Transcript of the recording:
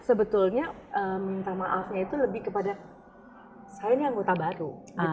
sebetulnya minta maafnya itu lebih kepada saya ini anggota baru